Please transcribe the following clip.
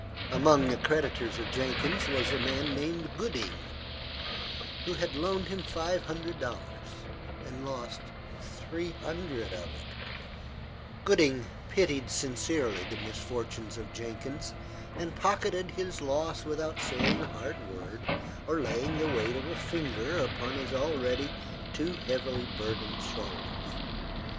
Among the creditors of Jenkins, was a man named Gooding, who had loaned him five hundred dollars, and lost three hundred of it two fifths being all that was realized from the debtor's effects. Gooding pitied sincerely the misfortunes of Jenkins, and pocketed his loss without saying a hard word, or laying the weight of a finger upon his already too heavily burdened shoulders.